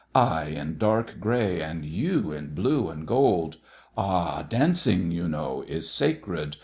_ I in dark grey, and you in blue and gold! Ah, dancing, you know, is sacred.